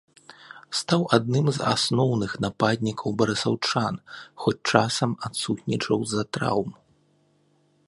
Стаў адным з асноўных нападнікаў барысаўчан, хоць часам адсутнічаў з-за траўм.